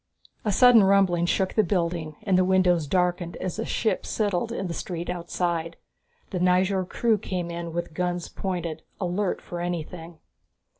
A sudden rumbling shook the building and the windows darkened as a ship settled in the street outside. The Nyjord crew came in with guns pointed, alert for anything.